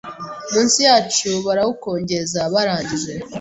munsi yacu barawukongeza barangije